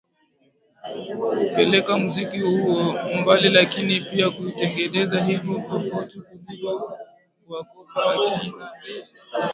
kuupeleka muziki huo mbali lakini pia kuitengeneza hip hop tofauti Kuliko kuwakopi akina Lil